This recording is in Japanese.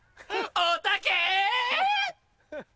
おたけ‼